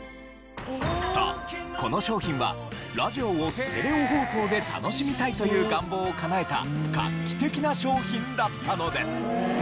そうこの商品はラジオをステレオ放送で楽しみたいという願望をかなえた画期的な商品だったのです。